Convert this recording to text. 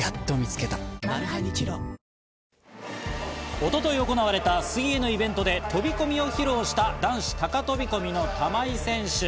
一昨日行われた水泳のイベントで飛び込みを披露した男子高飛び込みの玉井選手。